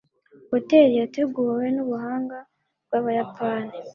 Hoteri yateguwe nubuhanga bwabayapani.